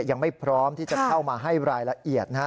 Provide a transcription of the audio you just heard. ยังไม่พร้อมที่จะเข้ามาให้รายละเอียดนะฮะ